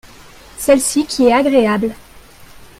celle-ci qui est agréable.